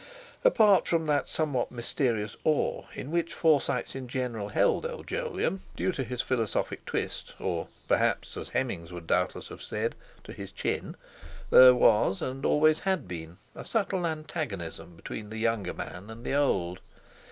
Apart from that somewhat mysterious awe in which Forsytes in general held old Jolyon, due to his philosophic twist, or perhaps—as Hemmings would doubtless have said—to his chin, there was, and always had been, a subtle antagonism between the younger man and the old.